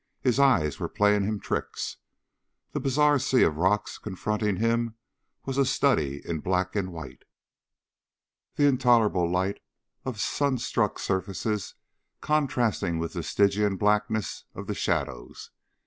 His eyes were playing him tricks. The bizarre sea of rocks confronting him was a study in black and white the intolerable light of sun struck surfaces contrasting with the stygian blackness of the shadows.